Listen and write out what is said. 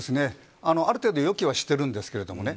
ある程度、予期はしているんですけれどもね。